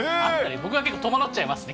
僕は結構戸惑っちゃいますね。